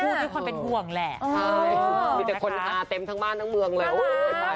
ไม่ได้ความเป็นห่วงแหละคุณอ่าเต็มทั้งบ้านทั้งเมืองเลย